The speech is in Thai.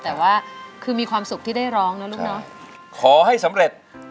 แต่ว่าคือมีความสุขที่ได้ร้องนะลูกเนอะขอให้สำเร็จ